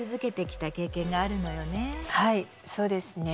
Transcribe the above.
はいそうですね。